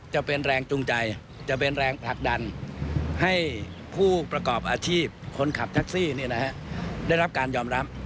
ให้ผู้ประกอบอาชีพคนขับแท็กซี่ได้รับการยอมรับ